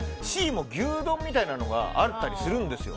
Ｃも牛丼みたいなのがあったりするんですよ。